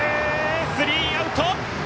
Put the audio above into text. スリーアウト。